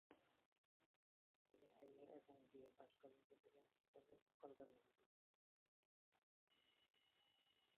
তিনি আইএ এবং বিএ পাশ করেন প্রেসিডেন্সি কলেজ, কলকাতা থেকে।